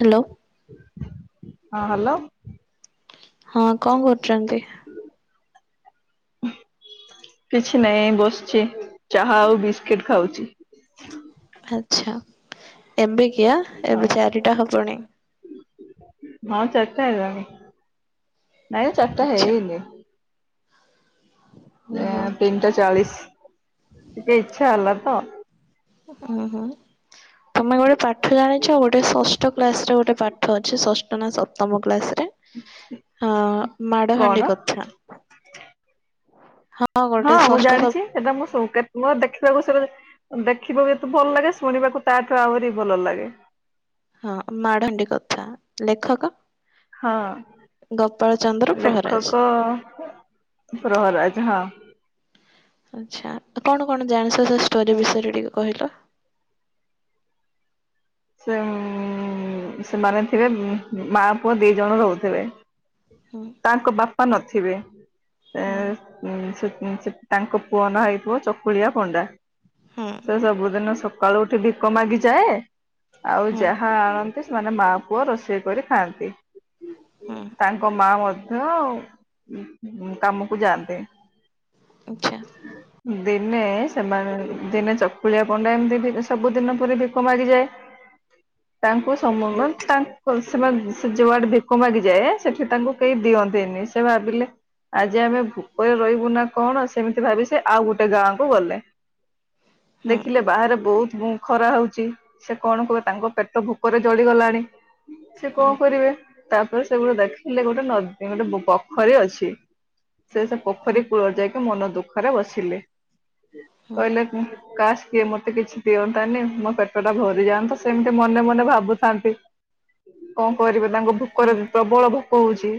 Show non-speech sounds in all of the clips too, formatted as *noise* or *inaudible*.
Hello. ହଁ hello. ହଁ କଣ କରୁଚନ୍ତି? କିଛି ନାହିଁ ଏଇ ବସିଛି ଚାହା ଆଉ ବିସ୍କିଟ ଖାଉଛି। ଆଚ୍ଛା ଏବେ କି ଆଜ୍ଞା ଏବେ ହଉ ଚାରିଟା ହବଣି। ହଁ ଚର୍ଚ୍ଚା ହେଲା ନାଇଁ ଚାରିଟା ଆଚ୍ଛା ହେଇନି ଏ ଓହୋ। ତିନିଟା ଚାଳିଶ ଟିକେ ଇଛା ହେଲା ତ ହୁଁ ହୁଁ ତମେ ଗୋଟେ ପାଠ ଜାଣିଛ ଗୋଟେ ଷଷ୍ଠ କ୍ଲାସ ରେ ଗୋଟେ ପାଠ ଅଛି ଷଷ୍ଠ ନା ସପ୍ତମ କ୍ଲାସରେ ହ ମାଡ଼ କଣ? ହାଣ୍ଡି କଥା ହଁ ଗୋଟେ ମୁଁ ଷଷ୍ଠ ସପ୍ ଜାଣିଛି ସେଇଟା ମୁଁ *unintelligible* ମୋର ଦେଖିବାକୁ ସେ ଦେଖିବାକୁ ଏତେ ଭଲ ଲାଗେ ଶୁଣିବାକୁ ତାଠୁ ଆହୁରି ଭଲ ଲାଗେ। ହଁ ମାଡ଼ହାଣ୍ଡି କଥା ଲେଖକ ହଁ ଗୋପାଳ ଚନ୍ଦ୍ର ପ୍ରହରାଜ। ଲେଖକ ପ୍ରହରାଜ ହଁ ଆଛା କଣ କଣ ଜାଣିଛ ସେ ଷ୍ଟୋରି ବିଷୟରେ ଟିକେ କହିଲ? ଉଁ ସେମାନେ ଥିବେ ମା ପୁଅ ଦି ଜଣ ରହୁଥିବେ। ହୁଁ ତାଙ୍କ ବାପା ନଥିବେ *inaudible* ଆ ହୁଁ ଉଂ ଉଁ ତାଙ୍କ ପୁଅ ନାଁ ହେଇଥିବ ଚକୁଳିଆ ପଣ୍ଡା। ହୁଁ ସେ ସବୁଦିନ ସ ସକାଳୁ ଉଠି ଭିକ ମାଗିଯାଏ ଆଉ ହୁଁ ଯାହା ସେମାନେ ମା ପୁଅ ରୋଷେଇ କରି ଖାଆନ୍ତି ହୁଁ ତାଙ୍କ ମା ମ *unintelligible* କାମକୁ ଯାଆନ୍ତେ ଆଚ୍ଛା ଦେ ଦିନେ ସେମାନେ ଦିନେ ଚକୁଳିଆ ପଣ୍ଡା ଏମିତି ସବୁ ଦିନ ପୁର ଭିକ ମାଗିଯାଏ ତାଙ୍କୁ ହୁଁ *unintelligible* ସେମାନେ ସେ ଯୁଆଡେ ଭିକ ମାଗିଯାଏ ସେଠି ତାଙ୍କୁ କେହି ଦିଅନ୍ତିନି ସେ ଭାବିଲେ ଆଜି ଆମେ ଭୋକରେ ରହିବୁ ନା କଣ ସେମିତି ଭାବି ସେ ଆଉ ଗୋଟେ ଗାଁ କୁ ଗଲେ ଦେଖିଲେ ବାହାରେ ବହୁତ ମୁଁ ଖରା ହଉଛି ସେ କଣ କୁହ ତାଙ୍କ ପେଟ ଭୋକରେ ଜଳିଗଲାଣି ସେ ହୁଁ କଣ କରିବେ ତା ସେଗୋଟେ ଦେଖିଲେ ଗୋଟେ ନଦୀ ଗୋଟେ ପୋଖରୀ ଅଛି। ସେ ସେ ହୁଁ ହୁଁ ପୋଖରୀ କୂଳରେ ଯାଇକି ମନ ଦୁଃଖ ଖରା ବସିଲେ କହିଲେ ହୁଁ କାସ୍ କିଏ ମୋତେ କିଛି ଦିଅନ୍ତାନି ମୋ ପେଟଟା ଭ ଯାଆନ୍ତୁ ତ ସେମିତି ମନେ ମନେ ଭାବୁଥାନ୍ତି। କଣ କରିବେ ତାଙ୍କୁ ଭୋକରେ ପ୍ରବଳ ଭୋକ। କହୁଛି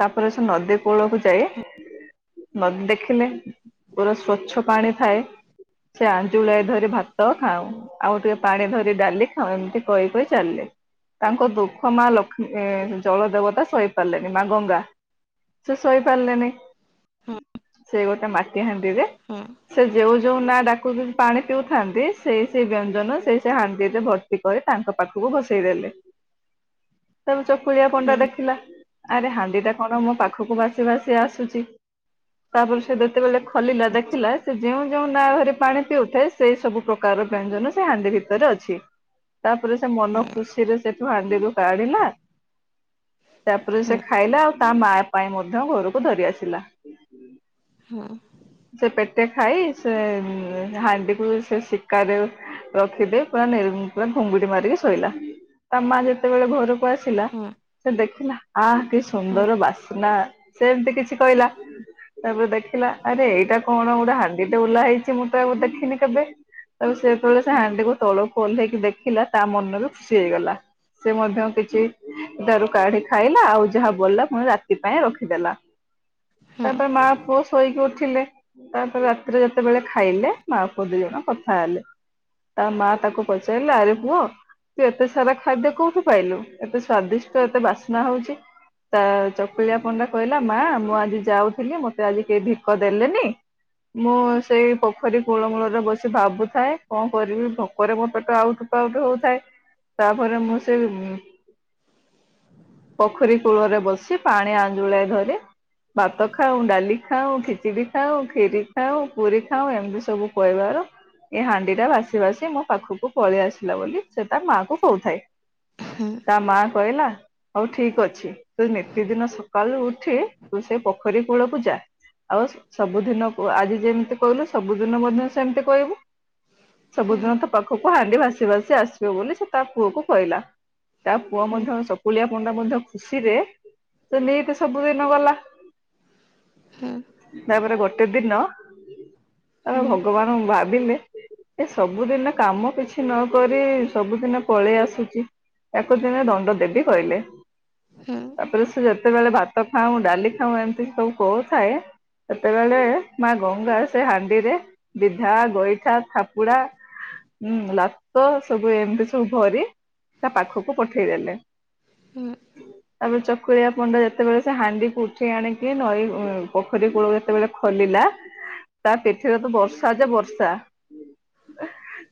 ତାପରେ ସେ ନଦୀ କୂଳକୁ ଯାଇ ହୁଁ ନଦୀ ଦେଖିଲେ ପୁରା ସ୍ଵଚ୍ଛ ପାଣି ଥାଏ। ସେ ଆଞ୍ଜୁଳାଏ ଧରି ଭାତ ତ ଖାଉଁ ହୁଁ ଆଉ ଟିକେ ପାଣି ଧରି ଡାଲି ଖାଉଁ ଏମିତି କହି କହି ଚାଲିଲେ ତାଙ୍କ ଦୁଃଖ ମା ଲକ୍ଷ୍ମୀ ଜଳ ଦେବତା ସହି ପାରିଲେନି ମା ଗଙ୍ଗା ସେ ସହି ପାରିଲେନି ହୁଁ ସେ ଗୋଟେ ମାଟି ହାଣ୍ଡିରେ ହଁ ସେ ଯେଉଁ ଯୋଉ ନା ଡାକୁଛନ୍ତି ପାଣି ପିଉଥାନ୍ତି ସେଇ ସେ ବ୍ୟଞ୍ଜ ନ ସେଇ ସେଇ ହାଣ୍ଡିରେ ଭର୍ତି କରି ତାଙ୍କ ପାଖକୁ ଭସେଇ ଦେଲେ। ଚକୁଳିଆ ପଣ୍ଡା ଦେଖିଲା। ଆରେ ହାଣ୍ଡି ଟା କଣ ମୋ ପାଖକୁ ଭାସି ଭାସି ଆସୁଛି। ତାପରେ ସେ ଯେତେବେଳେ ଖୋଲିଲା ଦେଖିଲା ସେ ଯେଉଁ ଯେଉଁ ନା ଧରି ପାଣି ପିଉଥାଏ ସେଇ ସବୁ ପ୍ରକାରର ବ୍ୟଞ୍ଜନ ସେ ହାଣ୍ଡି ଭିତରେ ଅଛି ତାପରେ ସେ ମନ ଖୁସିରେ ସେଠୁ ହାଣ୍ଡିରୁ କାଢିଲା ତାପରେ ସେ ଖାଇଲା ଆଉ ତା ମା ପାଇଁ ମଧ୍ୟ ଘରକୁ ଧରି ଆସିଲା। ସେପେଟ ଗୋଟେ ଖାଇ ସେ ହାଣ୍ଡିକୁ ସେ ଶିକାରେ ରଖିଦେଇ ପୁରା ନି ପୁରା ଘୁଙ୍ଗୁଡି ମାରିକି ଶୋଇଲା ତା ମା ଯେତେବେଳେ ଘରକୁ ଆସିଲା ସେ ଦେଖିଲା ଆ ଅତି ସୁନ୍ଦର ବାସ ନା ସେ ଏମିତି କିଛି କହିଲା ତାପରେ ଦେଖିଲା ଆରେ ଏଇଟା କଣ ଗୋଟେ ହାଣ୍ଡିଟେ ଓଲା ହେଇଛି ମୁଁ ତ ଆକୁ ଦେଖିନି କେବେ ଆଉ ସେ ଯେତେବେଳେ ସେ ହାଣ୍ଡିକୁ ତଳକୁ ଓହ୍ଲେଇକି ଦେଖିଲା ତା ମନରୁ ଖୁସି ହେଇଗଲା ସେ ମଧ୍ୟ କିଛି ତାରୁ କାଢି ଖାଇଲା ଆଉ ଯାହା ବଳିଲା ପୁଣି ରାତି ପାଇଁ ରଖିଦେଲା। ତାପରେ ମା ପୁଅ ଶୋଇକି ଉଠିଲେ ତାପରେ ରାତିରେ ଯେତେବେଳେ ଖାଇଲେ ମା ପୁଅ ଦି ଜଣ କଥା ହେଲେ। ତା ମା ତାକୁ ପଚାରିଲା ଆରେ ପୁଅ ତୁ ଏତେ ସାରା ଖାଦ୍ୟ କୋଉଠୁ ପାଇଲୁ ଏତେ ସ୍ଵାଦିଷ୍ଟ ଏତେ ବାସ୍ନା ହଉଛି। ତା ଚକୁଳିଆ ପଣ୍ଡା କହିଲା ମା ମୁଁ ଆଜି ଯାଉଥିଲି ମତେ ଆଜି କେହି ଭିକ ଦେଲେନି ମୁଁ ସେଇ ପୋଖରୀ କୂଳମୂଳରେ ବସି ଭାବୁଥାଏ କଣ କରିବି ଭୋକରେ ମୋ ପେଟ ଆଉଟୁ ପାଉଟୁ ହଉଥାଏ। ତାପରେ ମୁଁ ସେ ଉଁ ପୋଖରୀ କୂଳରେ ବସି ପାଣି ଆଞ୍ଜୁଳାଇ ଧରି ଭାତ ଖାଉଁ ଡାଲି ଖାଉଁ ଖିଚିଡି ଖାଉଁ ଖିରି ଖାଉଁ ପୁରୀ ଖାଉଁ ଏମିତି ସବୁ କହିବାରୁ ଏ ହାଣ୍ଡି ସେଇଟା ଭାସି ଭାସି ମୋ ପାଖକୁ ପଳେଇ ଆସିଲା ବୋଲି ସେ ତା ମାଆକୁ କହୁଥାଏ ତା ମା କହିଲା ହଉ ଠିକ୍ ଅଛି। ତୁ ନିତିଦିନ ସକାଳୁ ଉଠ ଠି ତୁ ସେ ପୋଖରୀ କୂଳକୁ ଯା ଆଉ ସବୁଦିନକୁ ଆଜି ଯେମିତି କହିଲୁ ସବୁଦିନ ମଧ୍ୟ ସେମିତି କହିବୁ। ସବୁଦିନ ତା ପାଖକୁ ହାଣ୍ଡି ଭାସି ଭାସି ଆସିବେ ବୋଲି ସେ ତା ପୁଅକୁ କହିଲା ତା ପୁଅ ମଧ୍ୟ ସକୁଳିଆ ମୁଣ୍ଡା ମଧ୍ୟ ଖୁସିରେ ସେ ନେଇତି ସବୁ ଦିନ ଗଲା, ତାପରେ ଗୋଟେ ଦିନ ତା ଭଗବାନ ଭାବିଲେ ଏ ସବୁଦିନ କାମ କିଛି ନ କରି ସବୁଦିନ ପଳେଇ ଆସୁଛି, ତାକୁ ଦିନେ ଦଣ୍ଡ ଦେବି କହିଲେ ତାପରେ ସେ ଯେତେବେଳେ ଭାତ ଖାଉ, ଡାଲି ଖାଉ ଏମିତି ସବୁ କହୁଥାଏ ସେତେବେଳେ ମା ଗଙ୍ଗା ସେ ହାଣ୍ଡିରେ ବିଧା ଗୋଇଠା ଥା ଚାପୁ, ଲାତ ସବୁ ଏମିତି ସବୁ ଭରି ତା ପାଖକୁ ପଠେଇଦେଲେ ହ *inaudible* ତାପରେ ଚକୁଳିଆ ପଣ୍ଡା ଯେତେବେଳେ ସେ ହାଣ୍ଡିକୁ ଉଠେଇ ଆଣିକି ନଈ ପୋଖରୀ କୂଳରେ ଯେତେବେଳେ ଖୋଲିଲା ତା ପିଠିରେ ତ ବର୍ଷା ଯେ ବର୍ଷା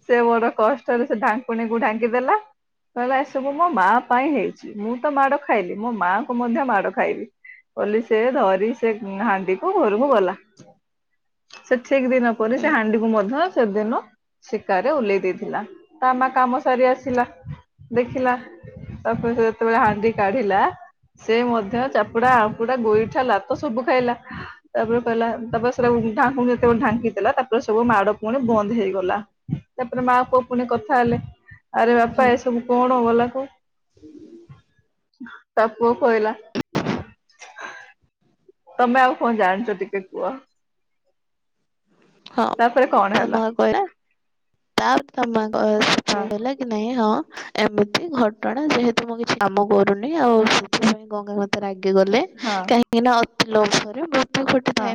ସେ ବଡ କଷ୍ଟରେ ସେ ଢାଙ୍କୁଣୀକୁ ଢାଙ୍କିଦଲା କହିଲା ଏସବୁ ମୋ ମା ପାଇଁ ହେଇଛି, ମୁଁ ତ ମାଡ ଖାଇଲି ମୋ ମାଆ କୁ ମଧ୍ୟ ମାଡ ଖାଇବି, ବୋଲି ସେ ଧରି ସେ ହାଣ୍ଡିକୁ ଘରକୁ ଗଲା। ସେ ଠିକ ଦିନ ପରେ ସେ ହାଣ୍ଡିକୁ ମ ହଁ ସେଦିନୁ। ଶିକାରେ ଓହଲେଇ ଦେଇଥିଲା, ତା ମା କାମ ସାରି ଆସିଲା ଦେଖିଲା ତାପରେ ସେ ଯେତେବେଳେ ହାଣ୍ଡି କାଢିଲା ସେ ମଧ୍ୟ ଚାପୁଡା ଆମ୍ପୁଡା ଗୋଇଠା ଲାତ ସବୁ ଖାଇଲା ତାପରେ କହିଲା ତାପରେ ସେରାକୁ ଢାଙ୍କୁଣି ଯେତେବେଳେ ଢାଙ୍କିଦେଲା ତାପରେ ସବୁ ମାଡ ପୁଣି ବନ୍ଦ ହେଇଗଲା। ତାପରେ ମା ପୁଅ ପୁଣି କଥା ହେଲେ। ଆରେ ବାପା ଏସବୁ କଣ ଗଲା କ ତା ପୁଅ କହିଲ। ତମେ ଆଉ କଣ ଜାଣିଛ ଟିକେ କୁହ। ହଁ ତାପରେ କଣ ତା ହେଲା ମା କହିଲା ତା ତା ମା ବାସ ସେ ପୁଅ ହଁ କହିଲା କି ନାହଁ, ହଁ ଏମିତି ଘଟଣା ଯେହେତୁ ମୁଁ କିଛି କାମ କରୁନି, ଆଉ ସେଥିପାଇଁ ଗଙ୍ଗା ମତେ ରାଗି ଗଲେ ହଁ କାହିଁକି ନା ଲୋଭ ରେ ବହୁ ହଁ ଘଟିଥାଏ।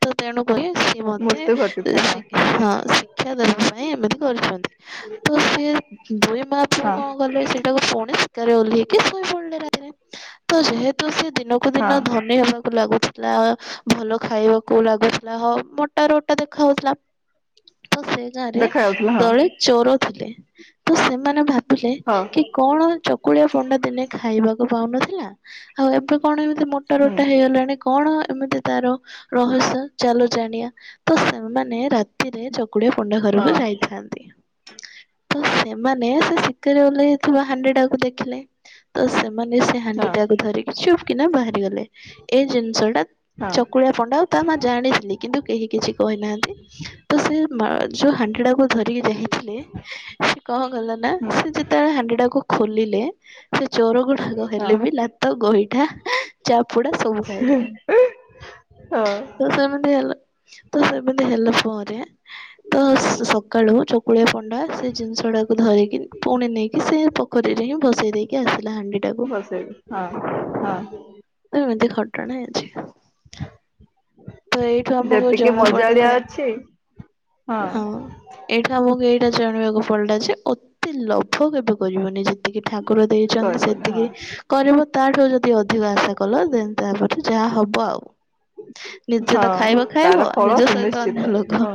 ତ ତେଣୁ କରି ରେ ମୃତ୍ୟୁ ଘଟିଥାଏ ହଁ। ହଁ ଶିକ୍ଷା ଦେବା ପାଇଁ ଏମିତି କରିଛନ୍ତି, ତ ସେ ଦୁଇ ମା ପଅ ହଁ କଣ କଲେ ସେଇଟାକୁ ପୁଣି ଶିକାରେ ଓହ୍ଲେଇକି ଶୋଇ ପଡିଲେ ରା ତ ଯେହେ ତୁ ସେ ଦିନକୁ ଦିନ ହଁ ଧନୀ ହେବାକୁ ଲାଗୁଥିଲା, ଭଲ ଖାଇବାକୁ ଲାଗୁଥିଲା ହ ବଟ୍ *unintelligible* ଦେଖା ହଉଥିଲା। ତ ସେ ଗାଁରେ ଦେଖା ଯାଉଥିଲା ହଁ ଦଳେ ଚୋର ଥିଲେ ତ ସେମାନେ ଭା ହଁ କି କଣ ଚକୁଳିଆ ପଣ୍ଡା ଦିନେ ଖାଇବାକୁ ପାଉନଥିଲା, ଆଉ ଏବେ କଣ ଏ ଏତେ ମୋଟା ହୁଁ ରୋଟା ହେଇଗଲାଣି କଣ ଏମିତି ତାର ରହସ୍ୟ ଚାଲ ଜାଣିବା ତ ସେମାନେ ରାତିରେ ଚ କୁଡ଼ିଏ ପଣ୍ଡା ଘରକୁ ହଁ ଯାଇଥାନ୍ତି। ତ ସେମାନେ ସେ ଶିକାରେ ଓହ୍େଇଥିବା ହାଣ୍ଡି ଟାକୁ ଦେଖିଲେ। ତ ସେମାନେ ସେ ହାଣ୍ଡି ହଁ ଟାକୁ ଧରିକି ଚୁପକିନା ବାହାରିଗଲେ ଏଇ ଜିନିଷ ଟା ହଁ ଚକୁଳିଆ ପଣ୍ଡା ତା ମା ଜାଣିଥିଲି କିନ୍ତୁ କିଛି କହିନାହାନ୍ତି ତ ସେ ମା ଯୋଉ ହାଣ୍ଡି ଟାକୁ ଧରିକି ଯାଇଥିଲେ କକଲେନା ହୁଁ ସେ ଯେତେବେଳେ ହାଣ୍ଡି ତାକୁ ଖୋଲିଲେ ସେ ଚୋର ଗୁଡାକ ହଁ ହେଲେ ବି ଲାତ ଗହିଠା ଚାପୁଡା ସବୁ ଖାଇଲେ ହଁ ସେମିତି ହେଲ ତ ସେମିତି ହେଲା ପରେ ତ ସକାଳୁ ଚକୁଳିଆ ପଣ୍ଡା ସେ ଜିନିଷ ଟାକୁ ଧରିକି ପୁଣି ନେଇକି ସେ ପୋଖରୀରେ ହିଁ ବସେଇ ଦେଇକି ଆସିଲେ। ହାଣ୍ଡି ଟାକୁ ବସେଇବି ହଁ ହଁ ଏମିତି ଘଟଣାଅଛି ତ ଏଇଠୁ ଆମକୁ ଯେତିକି ଜଣା ମଜାଳିଆ ପଡିଥାଏ ଅଛି ହଁ ଏଇଟା ଆମକୁ ଏଇଟା ଜାଣିବାକୁ ଫଲଟା ଯେ ଅତେ ଲୋଭ କେବେ କରିବନି ଯଦି ସେତିକି ଠାକୁର ଦେଇଛନ୍ତି କରିବନି ସେତିକି ହଁ କରିବ ତାଠୁ ଯଦି ଅଧିକ ଆଶା କଲ ଦେନ୍ ତାପରେ ଯାହା ହବ ଆଉ। ନିଜେ ତ ହଁ ଖାଇବ ତାର ଖାଇବ ଫଳ ନିଜ ସହିତ ସୁନିଶ୍ଚିତ ଅନ୍ୟ ଲୋକ ହଁ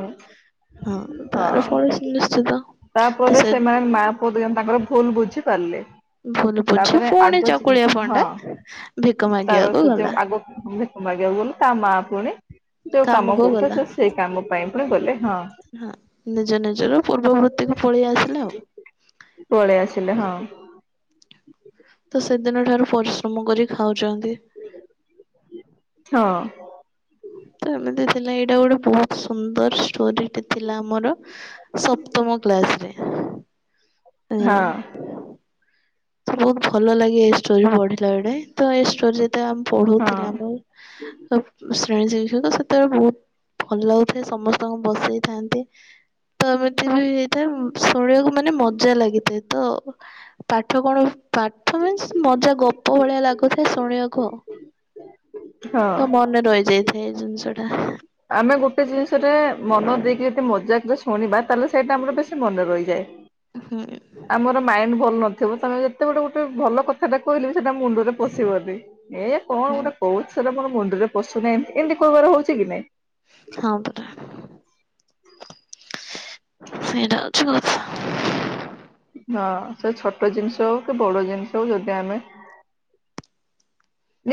ହଁ ତାର ପଳ ସୁନିଶ୍ଚିତ ଯିବ ତାପରେ ସେମାନେ ମା ପୁଅ ତାଙ୍କର ଭୁଲ ବୁଝି ପାରିଲେ ଭୁଲ ବୁଝି ତାପରେ ପୁଣି ଆଗ ଚକୁଳିଆ ପଣ୍ଡା ହଁ ଭିକ ତାର ମାଗିବାକୁ ସେ ଯୋଉ ଗଲା। ଆଗ ମାଗିବାକୁ ଗଲେ ତା ମା ପୁଣି ଯୋଉ କାମ କାମକୁ କରୁଥା ଗଲା ସେ ସେଇ କାମ ପାଇଁ ପୁଣି ଗଲେ ହଁ ହଁ ନିଜ ନିଜର ପୂର୍ବବୃତ୍ତିକୁ ପଳେଇ ଆସିଲା ଆଉ। ପଳେଇ ଆସିଲେ ହଁ। *inaudible* ତ ସେଦିନ ଠାରୁ ପରିଶ୍ରମ କରି ଖାଉ ଚନ୍ତି। ହଁ ତ ଏମେତି ଥିଲା ଏଇଟା ଗୋଟେ ବହୁତ ସୁନ୍ଦରଷ୍ଟୋରି। ସେଟ ଥିଲା ଆମର ସପ୍ତମ କ୍ଲାସ ରେ। ଜଣ ହଁ। ତ ବହୁତ ଭଲ ଲାଗେ ଏଇ ଷ୍ଟୋରି ବଢିଲା ବଳେ ତ ଏଇ ଷ୍ଟୋରି ପଢୁଥିଲ ହଁ ଆମର ଶ୍ରେଣୀ ଶିକ୍ଷକ ସେତେବେଳେ ବହୁତ ଭଲ ଲାଗୁଥାଏ ସମସ୍ତଙ୍କୁ ବସେଇଥାନ୍ତି ତ ଏମିତି ବି ହେଇଥାଏ ଶୁଣିବାକୁ ମାନେ ମଜା ଲାଗିଥାଏ ତ ପା ତୁ କଣକି ପାଠ ମଜା ଗପ ଭଳିଆ ଲାଗୁଥାଏ ଶୁଣିବାକୁ ଆଉ। ହଁ। ତ ମନେ ରହିଯାଇଥାଏ ଜିନିଷ ତଟା ଆମେ ଗୋଟେ ଜିନିଷଟରେ ମନ ଦେଇକି ଯଦି ମଜାକରେ ଶୁଣିବା ତାହେଲେ ସେଇଟା ଆମର ବେଶି ମନେ ରହିଯାଏ। ହୁଁ। ଆମର ମାଇଣ୍ଡ ଭଲ ନଥିବ ତମେ ଯେତେବେଟ ଗୋଟେ ଭଲ କଥା ଟା କହିଲେ। ସେଟା ମୁଣ୍ଡରେ ପଶିବନି ଏ କଣ ହୁଁ ଗୋଟେ କହୁଚି ସେଟା ମର ମୁଣ୍ଡରେ ପଶୁନାଇ ଏମିତି କହବାର ହଉଛି କି ନାଇଁ। ହଁ ପରା। ସେଇଟା ଅଛି। *unintelligible* ହଁ ସେ ଛୋଟ ଜିନିଷ ହଉ କି ବଡ ଜିନିଷ ହଉ ଯଦି ଆମେ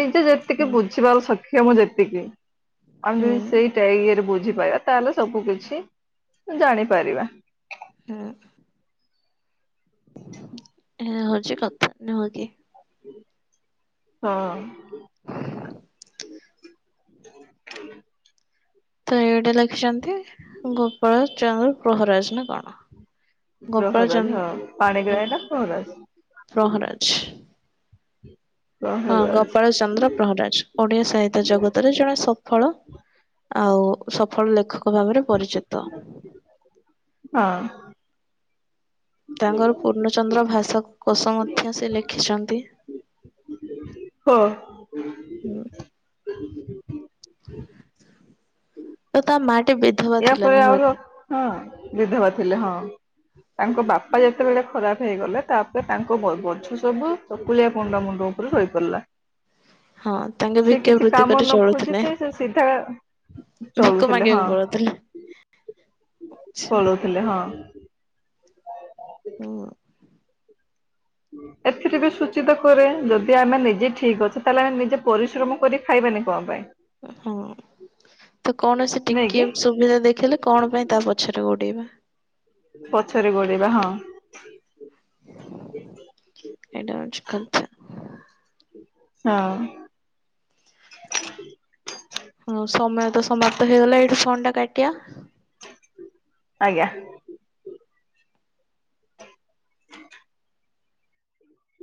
ନିଜେ ଯେତିକି ହୁଁ ବୁଝିବାର ଶକ କ୍ଷମ ଯେତିକି। ଆମେ ହୁଁ ସେଇଟା ଇଏରେ ବୁଝେ। ପାରିବା ତାହେଲେ ସବୁ କିଛି ଜାଣିପାରିବା। ହୁଁ। ଏୟା ହଉଛି କଥା ନୁହଁ କି। ହଁ। ତ ଏଇଟା ଲେଖିଛନ୍ତି। ଗୋପାଳ ଚହଲ୍ ପ୍ରହରାଜ ନା କଣ। ଗୋପାଳ ଚନ୍ଦ ପ୍ରହରାଜ ହଁ ପାଣିଗ୍ରାହି ନା ପ୍ରହରାଜ। ପ୍ରହରାଜ ହଁ ଗୋପାଳ ଚନ୍ଦ୍ର ପ୍ରହରାଜ ଓଡିଆ ସାହିତ୍ୟ ଜଗତରେ ଜଣେ ସଫଳ ଆଉ ସଫଳ ଲେଖ ଭାବରେ ପରିଚିତ। ହଁ। ତାଙ୍କର ପୂର୍ଣ୍ଣଚନ୍ଦ୍ର ଭାଷ କୋଷ ମଧ୍ୟ ସେ ଲେଖିଛନ୍ତି। ହଁ। ହୁଁ ତ ତା ମା ଟି ବିଧବା ଏୟା ଥିଲା ପରା ନୁହଁ ଆହୁରି ଅ କି? ହଁ। ବିଧବା ଥିଲେ ହଁ ତାଙ୍କ ବାପା ଯେତେବେଳେ ଖରାପ ହେଇଗଲେ ତାପରେ ତାଙ୍କ ବ-ବଂଶ ସବୁ ଚକୁଳିଆ ପଣ୍ଡା ମୁଣ୍ଡ ଉପରେ ରହି ପାରିଲା। ହଁ ତାଙ୍କେ ଭିକ୍ଷା ବୃତ୍ତି କରି ଚଳୁଥିଲେ ଖୋଜିକି ସେ ସିଧା ଭିକ ଚଳୁଥିଲେ ହଁ ମାଗିବାକୁ ପଡୁଥିଲେ। ପଳଉଥିଲେ ହଁ। ହୁଁ। ଏଥିରେ ବି ସୂଚିତ କରେ ଯଦି ଆମେ ନିଜେ ଠିକ ଅଛେ ତାହେଲେ ଆମେ ନିଜେ ପରିଶ୍ରମ କରି ଖାଇବାନି କଣ ପାଇଁ। ହଁ ତ କୌଣସି ନାଇଁ କିି ଟିକେ ସୁବିଧା ଦେଖେଇଲେ କଣ ପାଇଁ ତା ପଛରେ ଗୋଡେଇବା? ପଛରେ ଗୋଡେଇବା ହଁ ଏଇଟା ହଉଛି କଥା। ହଁ ହଁ ସମୟ ତ ସମାପ୍ତ ହେଇଗଲା ଏଇଠି ଫୋନ ଟା କାଟିବା। ଆଜ୍ଞା।